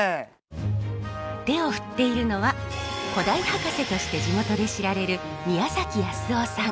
手を振っているのは古代博士として地元で知られる宮崎康雄さん。